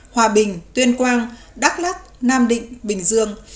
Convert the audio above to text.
hòa bình tuyên quang đắk lắc nam định bình dương